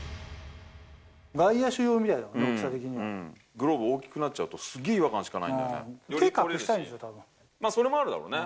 外野手用みたい、大きさ的にグローブ大きくなっちゃうと、すげー違和感しかないんだよね。